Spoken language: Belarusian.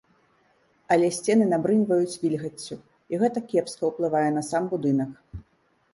Але сцены набрыньваюць вільгаццю і гэта кепска ўплывае на сам будынак.